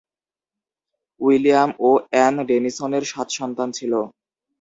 William ও Anne ডেনিসনের সাত সন্তান ছিল।